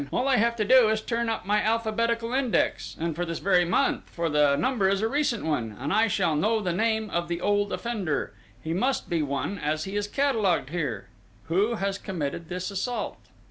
All I have to do is to turn up my alphabetical index, and for this very month, for the number is a recent one, and I shall know the name of the old offender he must be one, as he is catalogued here who has committed this assault."